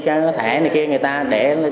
cái thẻ này kia người ta để cho em làm công ty